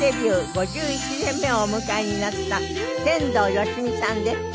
５１年目をお迎えになった天童よしみさんです。